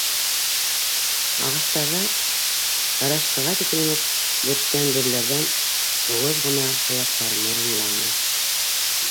Ағастарҙа ырашҡыға тиклем үк бүрткән бөрөләрҙән ыуыҙ ғына ҡыяҡтар моронланы.